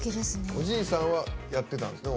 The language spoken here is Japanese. おじいさんはやってたんですか？